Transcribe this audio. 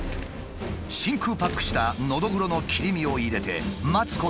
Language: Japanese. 真空パックしたノドグロの切り身を入れて待つこと６分。